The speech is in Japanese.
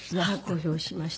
公表しました。